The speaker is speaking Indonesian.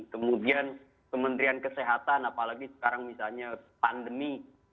kemudian kementerian kesehatan apalagi sekarang misalnya pandemi